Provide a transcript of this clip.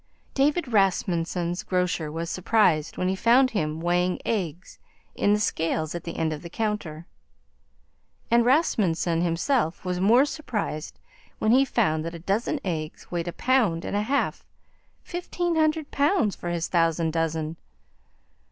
David Rasmunsen's grocer was surprised when he found him weighing eggs in the scales at the end of the counter, and Rasmunsen himself was more surprised when he found that a dozen eggs weighed a pound and a half fifteen hundred pounds for his thousand dozen!